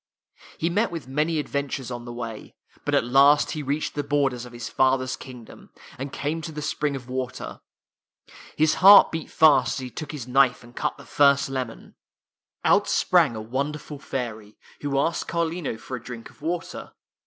He met with many adventures on the way, but at last he reached the borders of his father's kingdom, and came to the spring of water. His heaii beat fast as he took his knife and cut the first lemon. Out sprang a wonderful fairy, who asked Carlino for a drink of water.